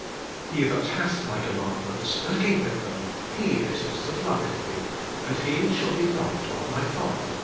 He that hath My commandments, and Keep eth Them^ he it is that loveth Me, and he shall be loved of My Father" (v.